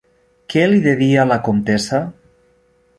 Què li devia la comtessa?